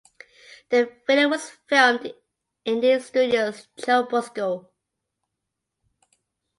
The video was filmed in Estudios Churubusco.